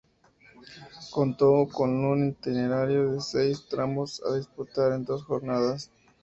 Contó con un itinerario de seis tramos a disputar en dos jornadas.